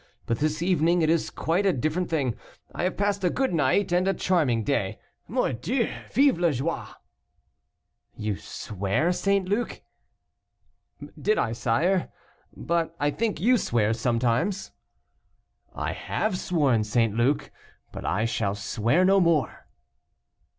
But this evening it is quite a different thing. I have passed a good night and a charming day. Mordieu, vive la joie!" "You swear, St. Luc." "Did I, sire? but I think you swear sometimes." "I have sworn, St. Luc, but I shall swear no more."